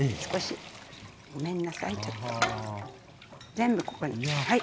全部ここにはい。